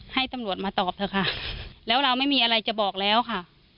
ให้ตำรวจมาตอบเถอะค่ะแล้วเราไม่มีอะไรจะบอกแล้วค่ะ